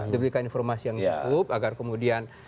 diberikan informasi yang cukup agar kemudian